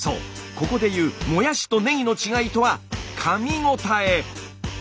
ここで言うもやしとねぎの違いとはかみごたえ。